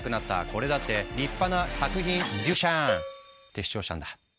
これだって立派な作品デュシャーン！！」って主張したんだ。